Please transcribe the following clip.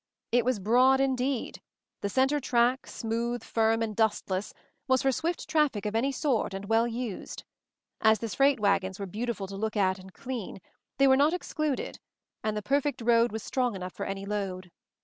It was broad, indeed. The center track, smooth, firm, and dustless, was for swift traffic of any sort, and well used. As the freight wagons were beautiful to look at and clean, they were not excluded, and the perfect road was strong enough for any load.